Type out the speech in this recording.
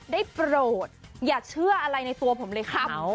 โปรดอย่าเชื่ออะไรในตัวผมเลยครับ